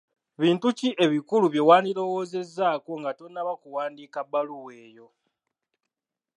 Bintu ki ebikulu bye wandirowoozezzaako nga tonnaba kuwandiika bbaluwa eyo?